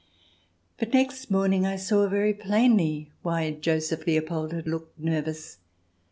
But next morning I saw very plainly why Joseph Leopold had looked nervous.